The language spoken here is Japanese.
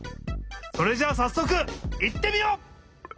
それじゃさっそくいってみよう！